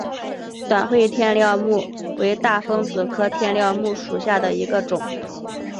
短穗天料木为大风子科天料木属下的一个种。